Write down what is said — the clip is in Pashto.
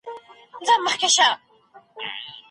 كوڅه كي راتـه وژړل